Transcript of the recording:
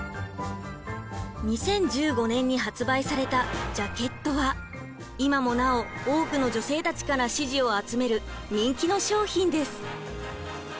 ２０１５年に発売されたジャケットは今もなお多くの女性たちから支持を集める人気の商品です。